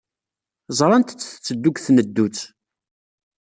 Ẓrant-tt tetteddu deg tneddut.